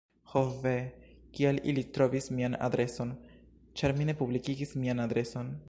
"Ho ve, kial ili trovis mian adreson?" ĉar mi ne publikigis mian adreson.